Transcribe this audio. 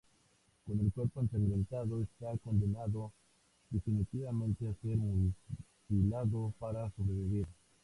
Con el cuerpo ensangrentado, está condenado definitivamente a ser mutilado para sobrevivir.